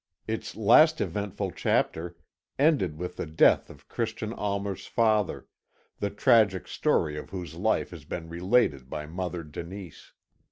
Its last eventful chapter ended with the death of Christian Almer's father, the tragic story of whose life has been related by Mother Denise.